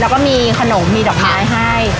แล้วก็มีขนมมีดอกไม้ให้